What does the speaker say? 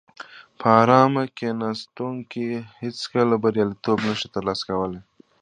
په ارامه کیناستونکي هیڅکله بریالیتوب نشي ترلاسه کولای.